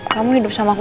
kamu hidup sama aku